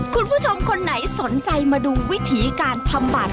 คุณผู้ชมคนไหนสนใจมาดูวิถีการทำบัตร